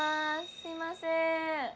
すみません。